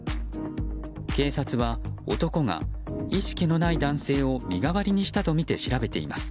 警察は男が意識のない男性を身代わりにしたとみて調べています。